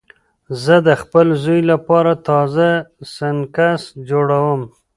زه د خپل زوی لپاره تازه سنکس جوړوم.